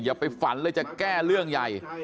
อย่าไปฝันเลยจะแก้เรื่องใหญ่